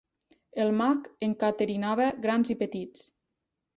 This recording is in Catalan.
El mag encaterinava grans i petits.